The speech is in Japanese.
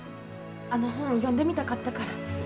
あの本読んでみたかったから。